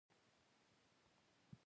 په مالګینو دښتونو کې لارې ووهلې.